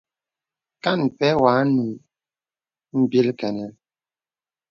Kàn pɛ̂ wɔ̄ ànùŋ mbìl kənə.